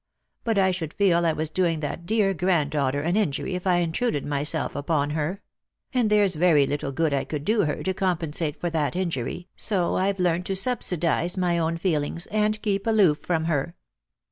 But I should feel I was doing that dear grand daughter an injury if I intruded myself upon her ; and there's very little good I could do her to compensate for that injury, so I've learnt to subsidise my own feelings, and keep aloof from her.